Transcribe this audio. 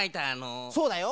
そうだよ。